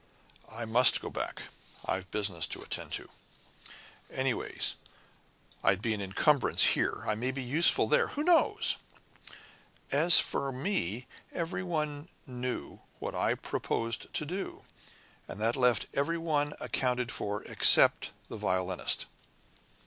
"I must go back. I've business to attend to. Anyway, I'd be an encumbrance here. I may be useful there. Who knows?" As for me, every one knew what I proposed to do, and that left every one accounted for except the Violinist.